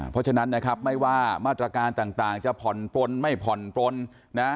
เพราะฉะนั้นนะครับไม่ว่ามาตรการต่างจะผ่อนปลนไม่ผ่อนปลนนะ